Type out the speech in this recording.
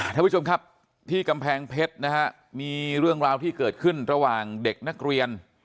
ท่านผู้ชมครับที่กำแพงเพชรนะฮะมีเรื่องราวที่เกิดขึ้นระหว่างเด็กนักเรียน